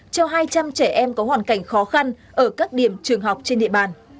cho hai trăm linh trẻ em có hoàn cảnh khó khăn ở các điểm trường học trên địa bàn